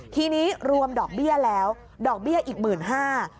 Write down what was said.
ทีนี้รวมดอกเบี้ยแล้วดอกเบี้ยอีก๑๕๐๐๐บาท